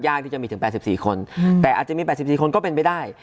ที่จะมีถึง๘๔คนแต่อาจจะมี๘๔คนก็เป็นไปได้